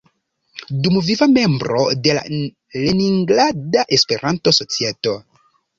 Dumviva membro de Leningrada Espertanto-Societo.